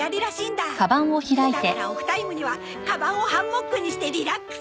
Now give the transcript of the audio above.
だからオフタイムにはカバンをハンモックにしてリラックス！